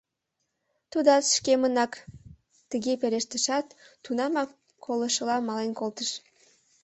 Тудат шкемынак... — тыге пелештышат, тунамак колышыла мален колтыш.